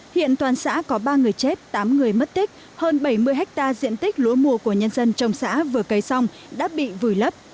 hiện toàn xã có ba người chết tám người mất tích hơn bảy mươi hectare diện tích lúa mùa của nhân dân trong xã vừa cây xong đã bị vùi lấp